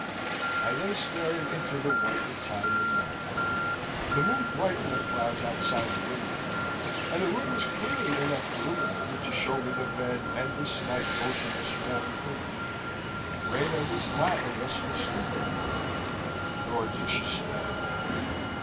I lay staring into the white Italian night; the Moon brightened the clouds outside the window, and the room was clearly enough illuminated to show me the bed and the slight, motionless form in it. Rena was not a restless sleeper, I thought. Nor did she snore.